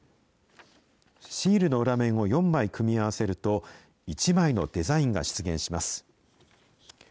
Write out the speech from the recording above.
シールの裏面を４枚組み合わせると、１枚のデザインが出現します。